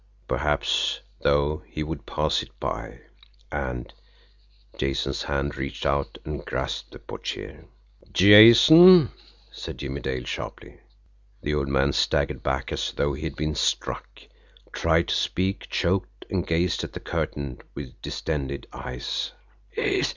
Perhaps, though, he would pass it by, and Jason's hand reached out and grasped the portiere. "Jason!" said Jimmie Dale sharply. The old man staggered back as though he had been struck, tried to speak, choked, and gazed at the curtain with distended eyes.